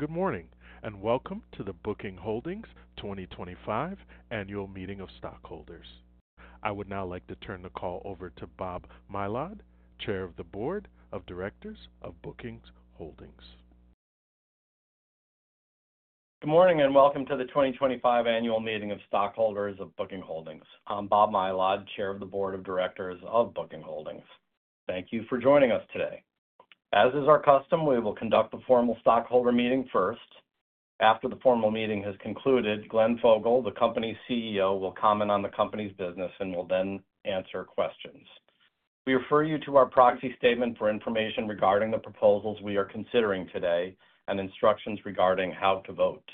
Good morning, and welcome to the Booking Holdings 2025 Annual Meeting of Stockholders. I would now like to turn the call over to Bob Mylod, Chair of the Board of Directors of Booking Holdings. Good morning, and welcome to the 2025 Annual Meeting of Stockholders of Booking Holdings. I'm Bob Mylod, Chair of the Board of Directors of Booking Holdings. Thank you for joining us today. As is our custom, we will conduct the formal stockholder meeting first. After the formal meeting has concluded, Glenn Fogel, the company's CEO, will comment on the company's business and will then answer questions. We refer you to our proxy statement for information regarding the proposals we are considering today and instructions regarding how to vote.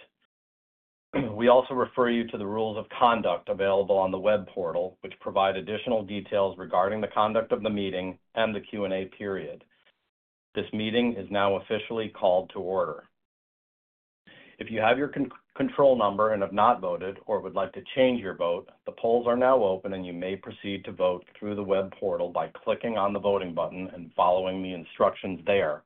We also refer you to the rules of conduct available on the web portal, which provide additional details regarding the conduct of the meeting and the Q&A period. This meeting is now officially called to order. If you have your control number and have not voted or would like to change your vote, the polls are now open, and you may proceed to vote through the web portal by clicking on the voting button and following the instructions there.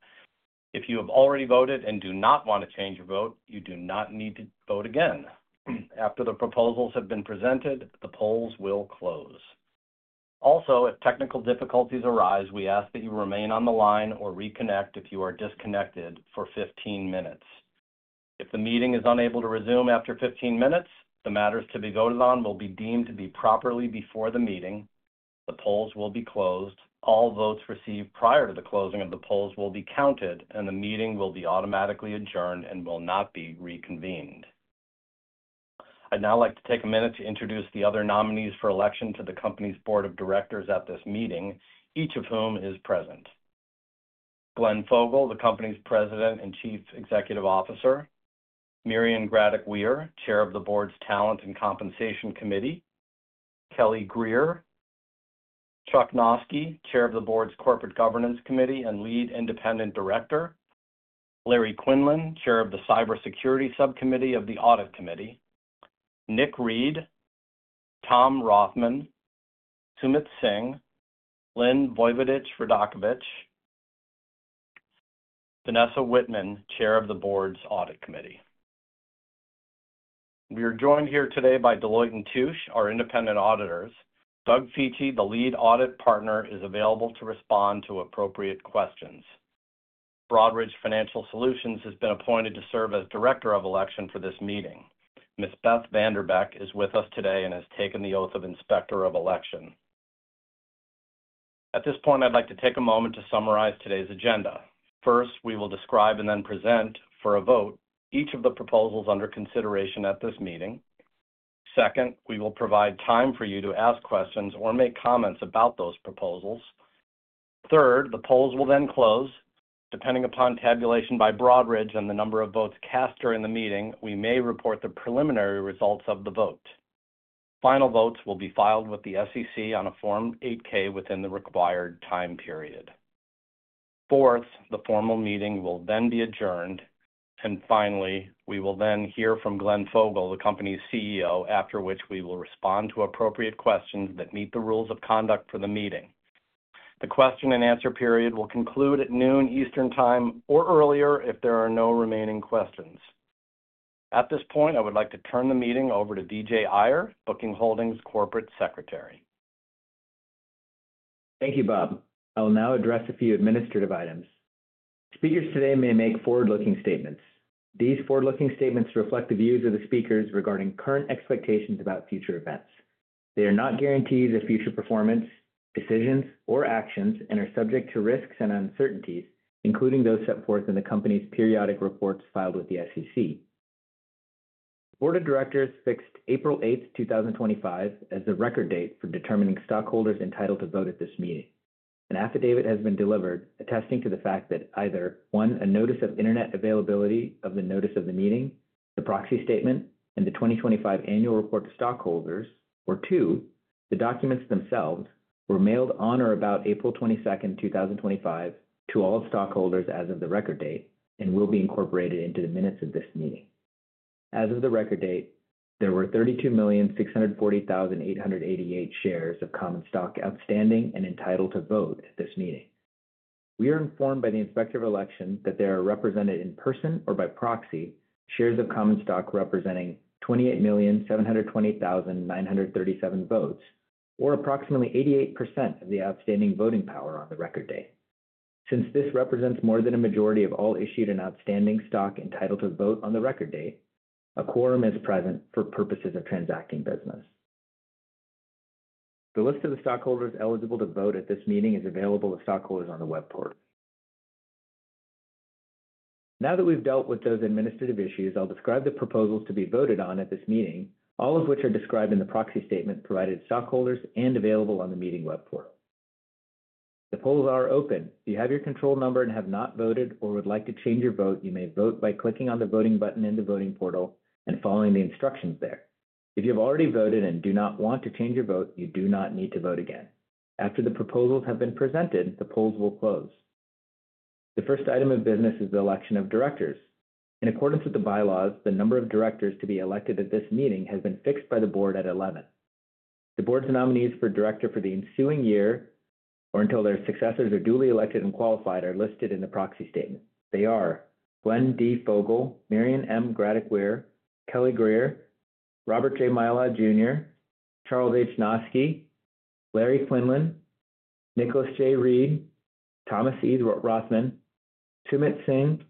If you have already voted and do not want to change your vote, you do not need to vote again. After the proposals have been presented, the polls will close. Also, if technical difficulties arise, we ask that you remain on the line or reconnect if you are disconnected for 15 minutes. If the meeting is unable to resume after 15 minutes, the matters to be voted on will be deemed to be properly before the meeting. The polls will be closed. All votes received prior to the closing of the polls will be counted, and the meeting will be automatically adjourned and will not be reconvened. I'd now like to take a minute to introduce the other nominees for election to the company's board of directors at this meeting, each of whom is present: Glenn Fogel, the company's President and Chief Executive Officer; Miriam Gradick Weir, chair of the board's talent and compensation committee; Kelly Greer; Charles Nosky, chair of the board's corporate governance committee and lead independent director; Larry Quinlan, chair of the cybersecurity subcommittee of the audit committee; Nick Read; Tom Rothman; Sumit Singh; Lynn Voivodich-Vrdakovich; Vanessa Whitman, chair of the board's audit committee. We are joined here today by Deloitte and Touche, our independent auditors. Doug Fiete, the lead audit partner, is available to respond to appropriate questions. Broadridge Financial Solutions has been appointed to serve as director of election for this meeting. Ms. Beth Vanderbeck is with us today and has taken the oath of inspector of election. At this point, I'd like to take a moment to summarize today's agenda. First, we will describe and then present for a vote each of the proposals under consideration at this meeting. Second, we will provide time for you to ask questions or make comments about those proposals. Third, the polls will then close. Depending upon tabulation by Broadridge and the number of votes cast during the meeting, we may report the preliminary results of the vote. Final votes will be filed with the SEC on a Form 8-K within the required time period. Fourth, the formal meeting will then be adjourned. Finally, we will then hear from Glenn Fogel, the company's CEO, after which we will respond to appropriate questions that meet the rules of conduct for the meeting. The question-and-answer period will conclude at noon Eastern Time or earlier if there are no remaining questions. At this point, I would like to turn the meeting over to Vijay Iyer, Booking Holdings Corporate Secretary. Thank you, Bob. I will now address a few administrative items. Speakers today may make forward-looking statements. These forward-looking statements reflect the views of the speakers regarding current expectations about future events. They are not guarantees of future performance, decisions, or actions, and are subject to risks and uncertainties, including those set forth in the company's periodic reports filed with the SEC. The Board of Directors fixed April 8, 2025, as the record date for determining stockholders entitled to vote at this meeting. An affidavit has been delivered attesting to the fact that either, one, a notice of internet availability of the notice of the meeting, the proxy statement, and the 2025 annual report to stockholders, or two, the documents themselves were mailed on or about April 22, 2025, to all stockholders as of the record date and will be incorporated into the minutes of this meeting. As of the record date, there were 32,640,888 shares of common stock outstanding and entitled to vote at this meeting. We are informed by the inspector of election that there are represented in person or by proxy shares of common stock representing 28,720,937 votes, or approximately 88% of the outstanding voting power on the record date. Since this represents more than a majority of all issued and outstanding stock entitled to vote on the record date, a quorum is present for purposes of transacting business. The list of the stockholders eligible to vote at this meeting is available to stockholders on the web portal. Now that we've dealt with those administrative issues, I'll describe the proposals to be voted on at this meeting, all of which are described in the proxy statements provided to stockholders and available on the meeting web portal. The polls are open. If you have your control number and have not voted or would like to change your vote, you may vote by clicking on the voting button in the voting portal and following the instructions there. If you have already voted and do not want to change your vote, you do not need to vote again. After the proposals have been presented, the polls will close. The first item of business is the election of directors. In accordance with the bylaws, the number of directors to be elected at this meeting has been fixed by the board at 11. The board's nominees for director for the ensuing year or until their successors are duly elected and qualified are listed in the proxy statement. They are: Glenn D. Fogel, Miriam M. Gradick Weir, Kelly Greer, Robert J. Mylod Jr., Charles H. Nosky, Larry Quinlan, Nicholas J. Reed, Thomas E. Rothman, Sumit Singh,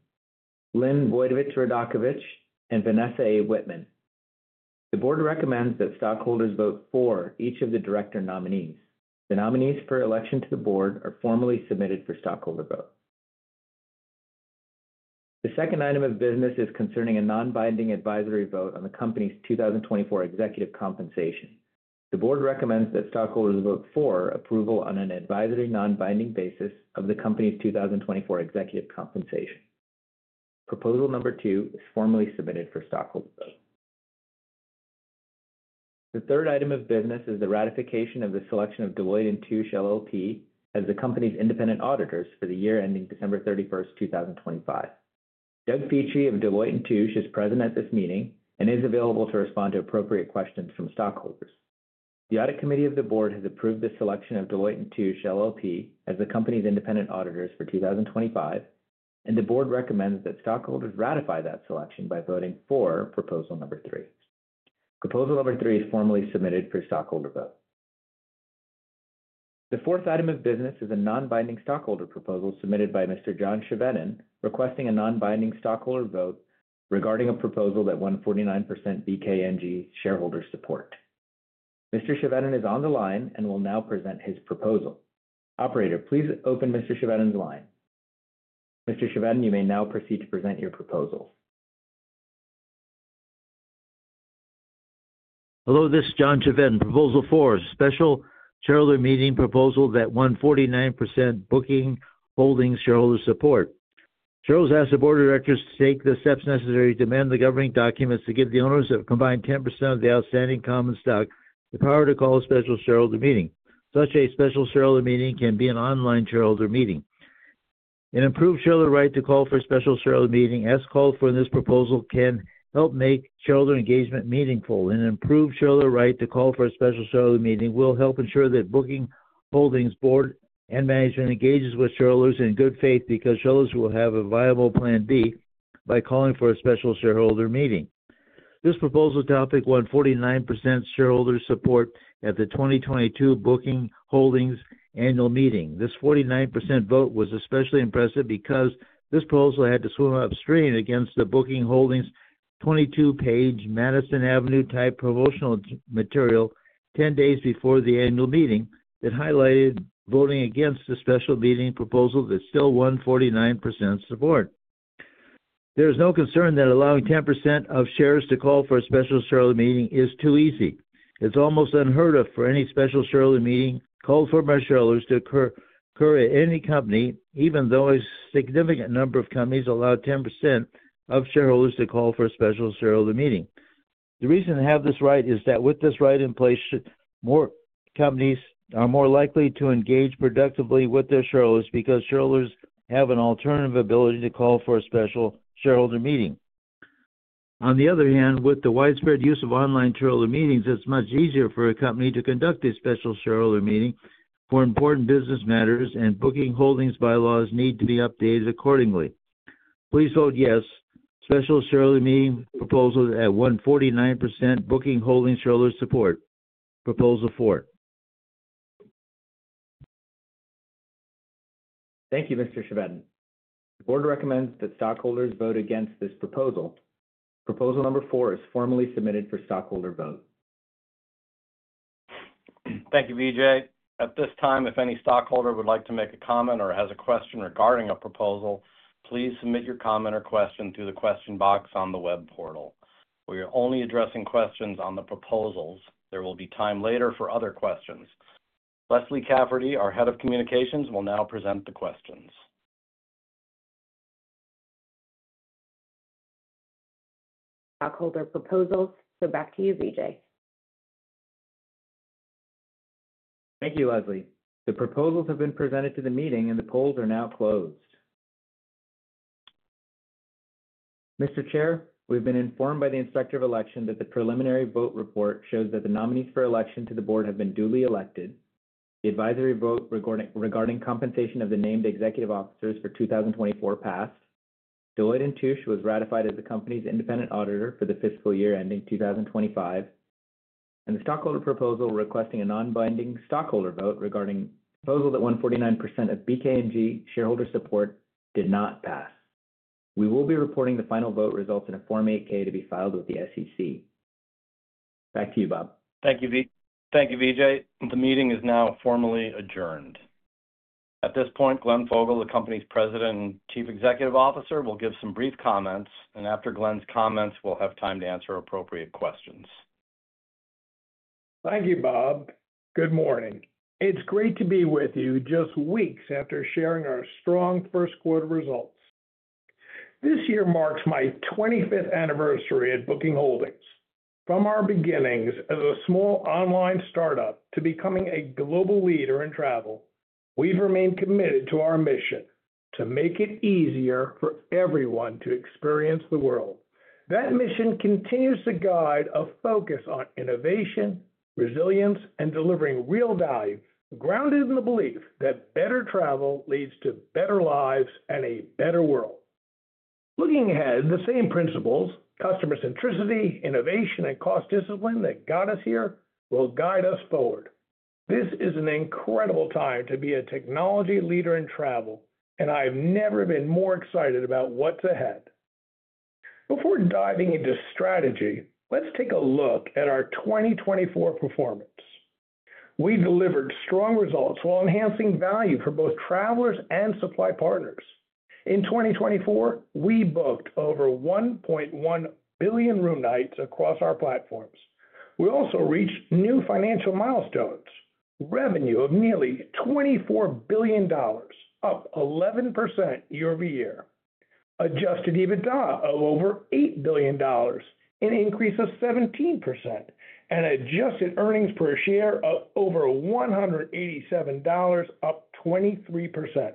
Lynn Voivodich-Vrdakovich, and Vanessa A. Whitman. The board recommends that stockholders vote for each of the director nominees. The nominees for election to the board are formally submitted for stockholder vote. The second item of business is concerning a non-binding advisory vote on the company's 2024 executive compensation. The board recommends that stockholders vote for approval on an advisory non-binding basis of the company's 2024 executive compensation. Proposal number two is formally submitted for stockholder vote. The third item of business is the ratification of the selection of Deloitte and Touche LLP as the company's independent auditors for the year ending December 31, 2025. Doug Fiete of Deloitte and Touche is present at this meeting and is available to respond to appropriate questions from stockholders. The Audit Committee of the Board has approved the selection of Deloitte and Touche LLP as the company's independent auditors for 2025, and the Board recommends that stockholders ratify that selection by voting for Proposal Number Three. Proposal Number Three is formally submitted for stockholder vote. The fourth item of business is a non-binding stockholder proposal submitted by Mr. John Chevenin requesting a non-binding stockholder vote regarding a proposal that won 49% BKNG shareholder support. Mr. Chevenin is on the line and will now present his proposal. Operator, please open Mr. Chevenin's line. Mr. Chevenin, you may now proceed to present your proposals. Hello, this is John Chevenin. Proposal four, special shareholder meeting proposal that won 49% Booking Holdings shareholder support. Shareholders ask the board of directors to take the steps necessary to amend the governing documents to give the owners of a combined 10% of the outstanding common stock the power to call a special shareholder meeting. Such a special shareholder meeting can be an online shareholder meeting. An improved shareholder right to call for a special shareholder meeting as called for in this proposal can help make shareholder engagement meaningful. An improved shareholder right to call for a special shareholder meeting will help ensure that Booking Holdings board and management engages with shareholders in good faith because shareholders will have a viable plan B by calling for a special shareholder meeting. This proposal topic won 49% shareholder support at the 2022 Booking Holdings annual meeting. This 49% vote was especially impressive because this proposal had to swim upstream against the Booking Holdings 22-page Madison Avenue type promotional material 10 days before the annual meeting that highlighted voting against the special meeting proposal that still won 49% support. There is no concern that allowing 10% of shares to call for a special shareholder meeting is too easy. It's almost unheard of for any special shareholder meeting called for by shareholders to occur at any company, even though a significant number of companies allow 10% of shareholders to call for a special shareholder meeting. The reason to have this right is that with this right in place, more companies are more likely to engage productively with their shareholders because shareholders have an alternative ability to call for a special shareholder meeting. On the other hand, with the widespread use of online shareholder meetings, it's much easier for a company to conduct a special shareholder meeting for important business matters, and Booking Holdings bylaws need to be updated accordingly. Please vote yes to special shareholder meeting proposal at 49% Booking Holdings shareholder support. Proposal four. Thank you, Mr. Chevenin. The Board recommends that stockholders vote against this proposal. Proposal number four is formally submitted for stockholder vote. Thank you, Vijay. At this time, if any stockholder would like to make a comment or has a question regarding a proposal, please submit your comment or question through the question box on the web portal. We are only addressing questions on the proposals. There will be time later for other questions. Leslie Cafferty, our Head of Communications, will now present the questions. Stockholder proposals. So back to you, Vijay. Thank you, Leslie. The proposals have been presented to the meeting, and the polls are now closed. Mr. Chair, we've been informed by the inspector of election that the preliminary vote report shows that the nominees for election to the board have been duly elected. The advisory vote regarding compensation of the named executive officers for 2024 passed. Deloitte and Touche was ratified as the company's independent auditor for the fiscal year ending 2025. The stockholder proposal requesting a non-binding stockholder vote regarding the proposal that won 49% of BKNG shareholder support did not pass. We will be reporting the final vote results in a Form 8K to be filed with the SEC. Back to you, Bob. Thank you, Vijay. The meeting is now formally adjourned. At this point, Glenn Fogel, the company's President and Chief Executive Officer, will give some brief comments, and after Glenn's comments, we'll have time to answer appropriate questions. Thank you, Bob. Good morning. It's great to be with you just weeks after sharing our strong first quarter results. This year marks my 25th anniversary at Booking Holdings. From our beginnings as a small online startup to becoming a global leader in travel, we've remained committed to our mission to make it easier for everyone to experience the world. That mission continues to guide a focus on innovation, resilience, and delivering real value, grounded in the belief that better travel leads to better lives and a better world. Looking ahead, the same principles: customer centricity, innovation, and cost discipline that got us here will guide us forward. This is an incredible time to be a technology leader in travel, and I've never been more excited about what's ahead. Before diving into strategy, let's take a look at our 2024 performance. We delivered strong results while enhancing value for both travelers and supply partners. In 2024, we booked over 1.1 billion room nights across our platforms. We also reached new financial milestones: revenue of nearly $24 billion, up 11% year-over-year, adjusted EBITDA of over $8 billion, an increase of 17%, and adjusted earnings per share of over $187, up 23%.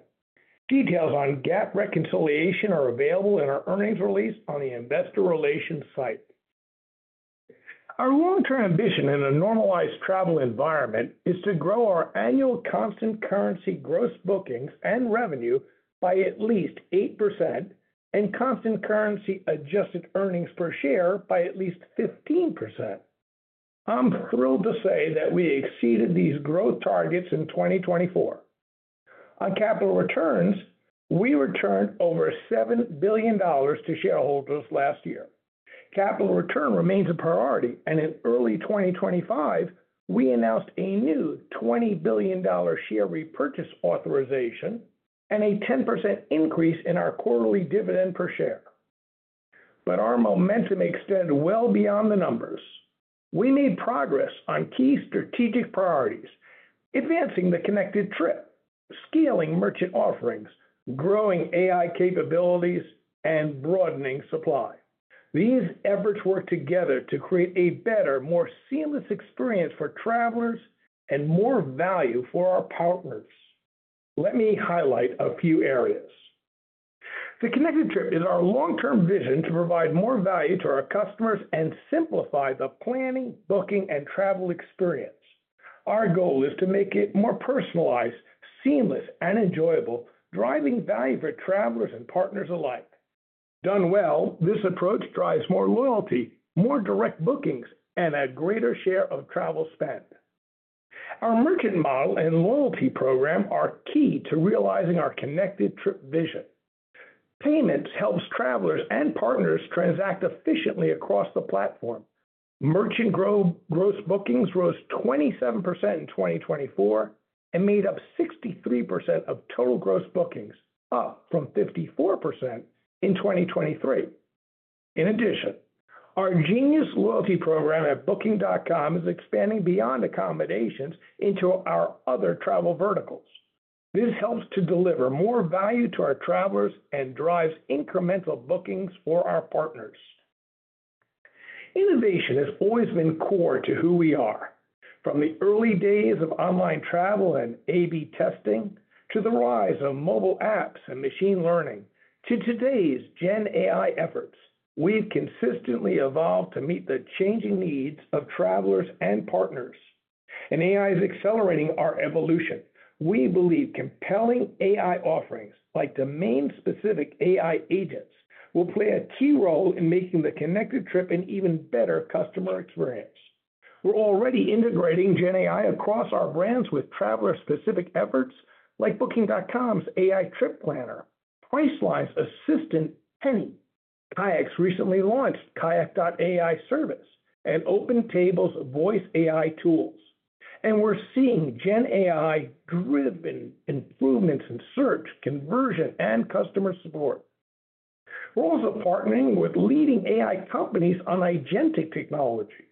Details on GAAP reconciliation are available in our earnings release on the investor relations site. Our long-term ambition in a normalized travel environment is to grow our annual constant currency gross bookings and revenue by at least 8% and constant currency adjusted earnings per share by at least 15%. I'm thrilled to say that we exceeded these growth targets in 2024. On capital returns, we returned over $7 billion to shareholders last year. Capital return remains a priority, and in early 2025, we announced a new $20 billion share repurchase authorization and a 10% increase in our quarterly dividend per share. Our momentum extended well beyond the numbers. We made progress on key strategic priorities: advancing the connected trip, scaling merchant offerings, growing AI capabilities, and broadening supply. These efforts work together to create a better, more seamless experience for travelers and more value for our partners. Let me highlight a few areas. The connected trip is our long-term vision to provide more value to our customers and simplify the planning, booking, and travel experience. Our goal is to make it more personalized, seamless, and enjoyable, driving value for travelers and partners alike. Done well, this approach drives more loyalty, more direct bookings, and a greater share of travel spend. Our merchant model and loyalty program are key to realizing our connected trip vision. Payments helps travelers and partners transact efficiently across the platform. Merchant gross bookings rose 27% in 2024 and made up 63% of total gross bookings, up from 54% in 2023. In addition, our Genius loyalty program at Booking.com is expanding beyond accommodations into our other travel verticals. This helps to deliver more value to our travelers and drives incremental bookings for our partners. Innovation has always been core to who we are. From the early days of online travel and A/B testing to the rise of mobile apps and machine learning to today's Gen AI efforts, we've consistently evolved to meet the changing needs of travelers and partners. AI is accelerating our evolution. We believe compelling AI offerings like domain-specific AI agents will play a key role in making the connected trip an even better customer experience. We are already integrating Gen AI across our brands with traveler-specific efforts like Booking.com's AI trip planner, Priceline's assistant, Penny, Kayak's recently launched Kayak.ai service, and OpenTable's voice AI tools. We are seeing Gen AI-driven improvements in search, conversion, and customer support. We are also partnering with leading AI companies on identity technology.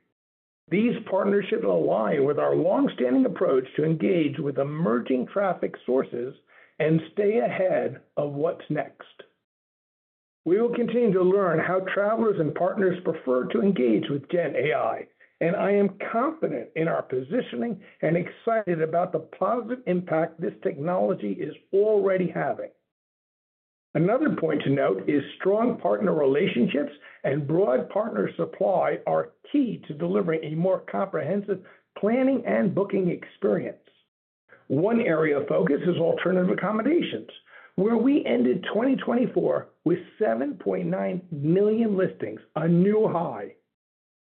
These partnerships align with our long-standing approach to engage with emerging traffic sources and stay ahead of what is next. We will continue to learn how travelers and partners prefer to engage with Gen AI, and I am confident in our positioning and excited about the positive impact this technology is already having. Another point to note is strong partner relationships and broad partner supply are key to delivering a more comprehensive planning and booking experience. One area of focus is alternative accommodations, where we ended 2024 with 7.9 million listings, a new high.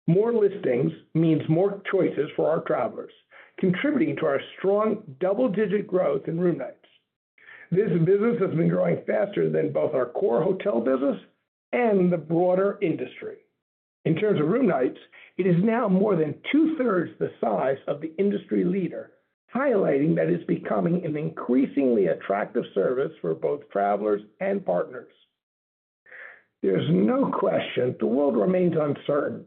More listings means more choices for our travelers, contributing to our strong double-digit growth in room nights. This business has been growing faster than both our core hotel business and the broader industry. In terms of room nights, it is now more than two-thirds the size of the industry leader, highlighting that it's becoming an increasingly attractive service for both travelers and partners. There is no question the world remains uncertain: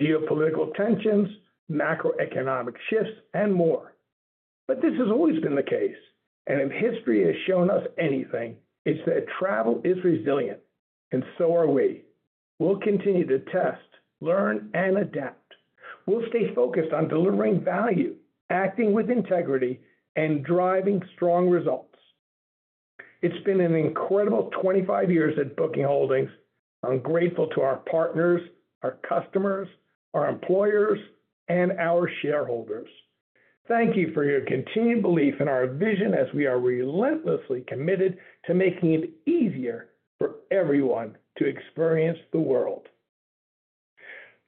geopolitical tensions, macroeconomic shifts, and more. This has always been the case, and if history has shown us anything, it is that travel is resilient, and so are we. We will continue to test, learn, and adapt. We will stay focused on delivering value, acting with integrity, and driving strong results. It has been an incredible 25 years at Booking Holdings. I'm grateful to our partners, our customers, our employees, and our shareholders. Thank you for your continued belief in our vision as we are relentlessly committed to making it easier for everyone to experience the world.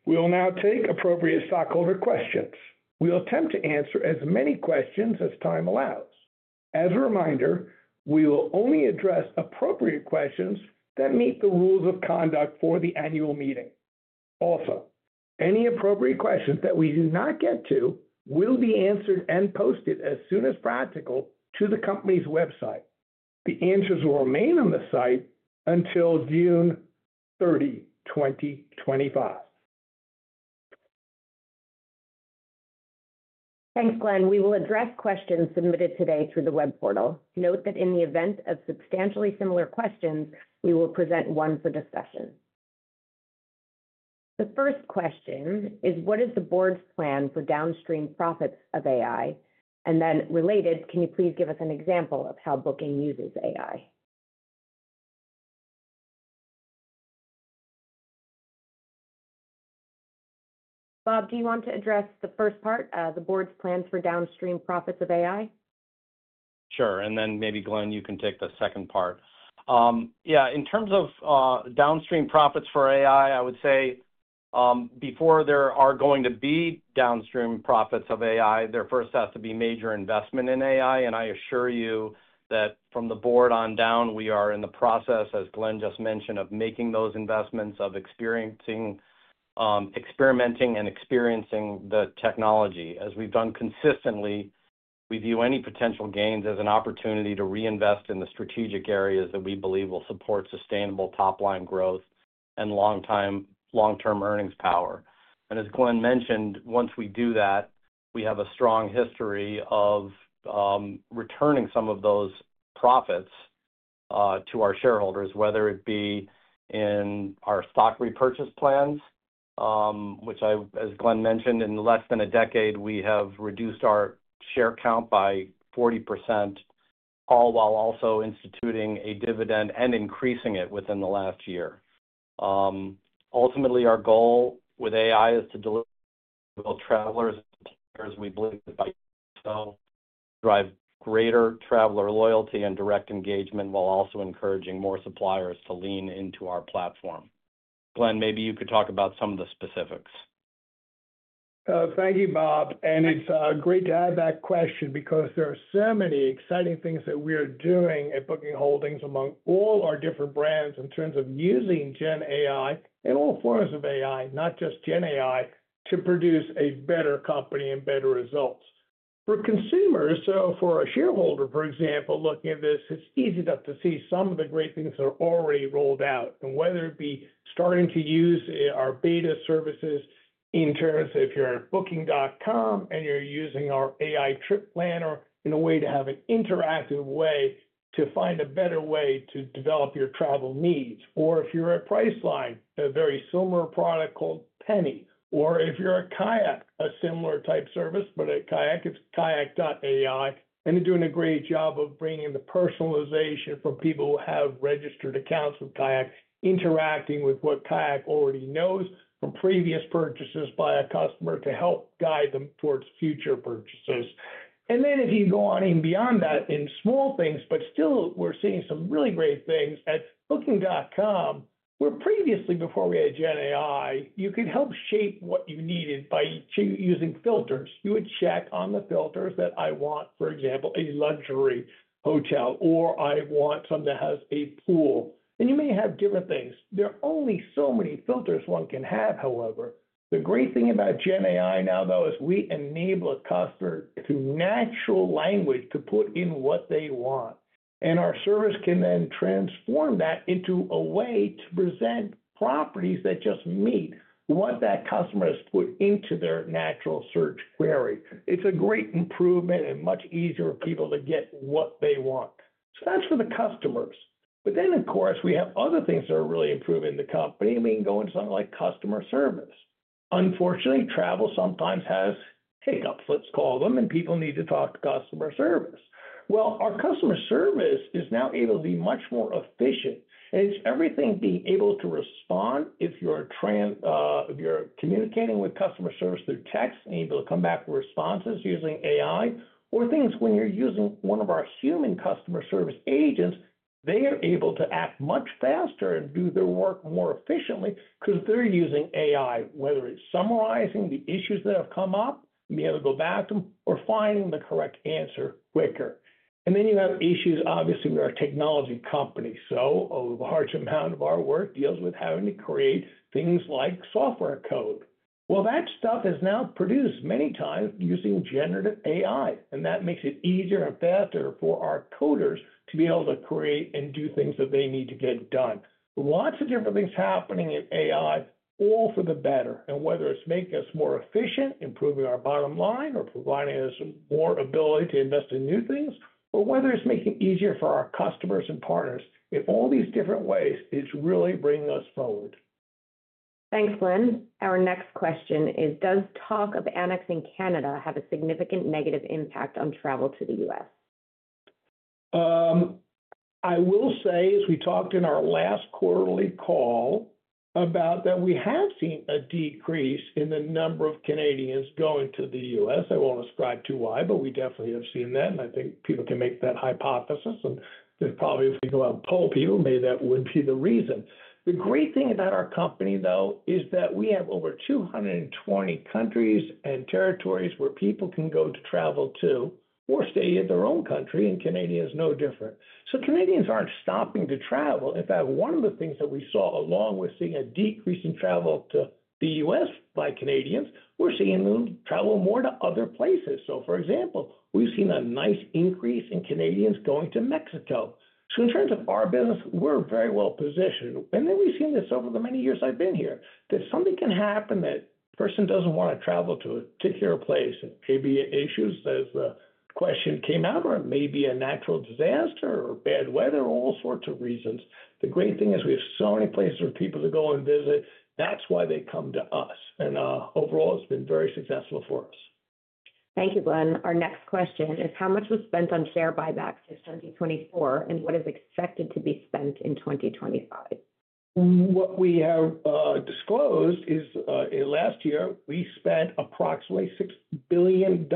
We'll now take appropriate stockholder questions. We'll attempt to answer as many questions as time allows. As a reminder, we will only address appropriate questions that meet the rules of conduct for the annual meeting. Also, any appropriate questions that we do not get to will be answered and posted as soon as practical to the company's website. The answers will remain on the site until June 30, 2025. Thanks, Glenn. We will address questions submitted today through the web portal. Note that in the event of substantially similar questions, we will present one for discussion. The first question is, what is the board's plan for downstream profits of AI? And then related, can you please give us an example of how Booking uses AI? Bob, do you want to address the first part, the board's plans for downstream profits of AI? Sure. And then maybe, Glenn, you can take the second part. Yeah, in terms of downstream profits for AI, I would say before there are going to be downstream profits of AI, there first has to be major investment in AI. I assure you that from the board on down, we are in the process, as Glenn just mentioned, of making those investments, of experimenting and experiencing the technology. As we've done consistently, we view any potential gains as an opportunity to reinvest in the strategic areas that we believe will support sustainable top-line growth and long-term earnings power. As Glenn mentioned, once we do that, we have a strong history of returning some of those profits to our shareholders, whether it be in our stock repurchase plans, which, as Glenn mentioned, in less than a decade, we have reduced our share count by 40%, all while also instituting a dividend and increasing it within the last year. Ultimately, our goal with AI is to deliver travelers and partners we believe by so drive greater traveler loyalty and direct engagement while also encouraging more suppliers to lean into our platform. Glenn, maybe you could talk about some of the specifics. Thank you, Bob. It is great to have that question because there are so many exciting things that we are doing at Booking Holdings among all our different brands in terms of using Gen AI and all forms of AI, not just Gen AI, to produce a better company and better results. For consumers, for a shareholder, for example, looking at this, it is easy enough to see some of the great things that are already rolled out, and whether it be starting to use our beta services in terms of if you are on Booking.com and you are using our AI trip planner in a way to have an interactive way to find a better way to develop your travel needs. Or if you are at Priceline, a very similar product called Penny. Or if you are at Kayak, a similar type service, but at Kayak, it is Kayak.ai. They're doing a great job of bringing the personalization for people who have registered accounts with Kayak, interacting with what Kayak already knows from previous purchases by a customer to help guide them towards future purchases. If you go on beyond that in small things, but still we're seeing some really great things at Booking.com, where previously, before we had Gen AI, you could help shape what you needed by using filters. You would check on the filters that I want, for example, a luxury hotel, or I want something that has a pool. You may have different things. There are only so many filters one can have, however. The great thing about Gen AI now, though, is we enable a customer through natural language to put in what they want. Our service can then transform that into a way to present properties that just meet what that customer has put into their natural search query. It's a great improvement and much easier for people to get what they want. That's for the customers. Of course, we have other things that are really improving the company. I mean, going to something like customer service. Unfortunately, travel sometimes has hiccups, let's call them, and people need to talk to customer service. Our customer service is now able to be much more efficient. It's everything being able to respond if you're communicating with customer service through text and able to come back with responses using AI, or things when you're using one of our human customer service agents, they are able to act much faster and do their work more efficiently because they're using AI, whether it's summarizing the issues that have come up, being able to go back to them, or finding the correct answer quicker. You have issues, obviously, with our technology company. A large amount of our work deals with having to create things like software code. That stuff is now produced many times using generative AI. That makes it easier and faster for our coders to be able to create and do things that they need to get done. Lots of different things happening in AI, all for the better. Whether it is making us more efficient, improving our bottom line, or providing us more ability to invest in new things, or whether it is making it easier for our customers and partners, in all these different ways, it is really bringing us forward. Thanks, Glenn. Our next question is, does talk of annexing Canada have a significant negative impact on travel to the U.S.? I will say, as we talked in our last quarterly call about that, we have seen a decrease in the number of Canadians going to the U.S. I won't ascribe to why, but we definitely have seen that. I think people can make that hypothesis. There is probably, if we go out and poll people, maybe that would be the reason. The great thing about our company, though, is that we have over 220 countries and territories where people can go to travel to or stay in their own country, and Canada is no different. Canadians aren't stopping to travel. In fact, one of the things that we saw along with seeing a decrease in travel to the U.S. by Canadians, we are seeing them travel more to other places. For example, we have seen a nice increase in Canadians going to Mexico. In terms of our business, we're very well positioned. We've seen this over the many years I've been here, that something can happen that a person doesn't want to travel to a particular place. It may be issues, as the question came out, or it may be a natural disaster or bad weather, all sorts of reasons. The great thing is we have so many places for people to go and visit. That's why they come to us. Overall, it's been very successful for us. Thank you, Glenn. Our next question is, how much was spent on share buybacks in 2024, and what is expected to be spent in 2025? What we have disclosed is last year, we spent approximately $6 billion.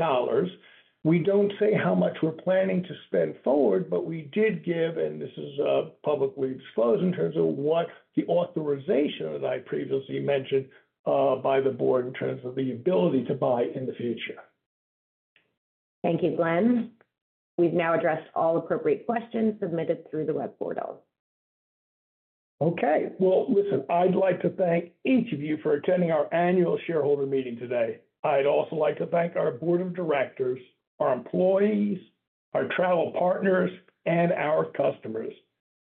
We do not say how much we are planning to spend forward, but we did give, and this is publicly disclosed in terms of what the authorization that I previously mentioned by the board in terms of the ability to buy in the future. Thank you, Glenn. We've now addressed all appropriate questions submitted through the web portal. Okay. Listen, I'd like to thank each of you for attending our annual shareholder meeting today. I'd also like to thank our Board of Directors, our employees, our travel partners, and our customers.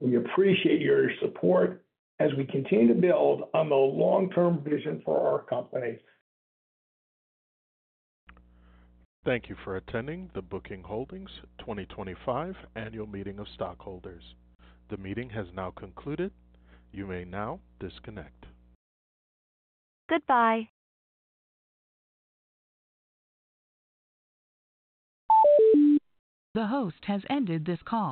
We appreciate your support as we continue to build on the long-term vision for our company. Thank you for attending the Booking Holdings 2025 annual meeting of stockholders. The meeting has now concluded. You may now disconnect. Goodbye. The host has ended this call.